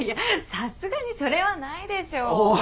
さすがにそれはないでしょう。